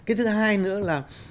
cái thứ hai nữa là